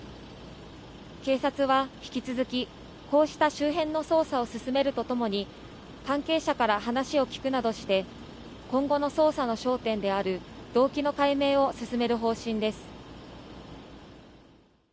警察は引き続き、こうした周辺の捜査を進めるとともに、関係者から話を聴くなどして、今後の捜査の焦点である動機の解明を進める方針です。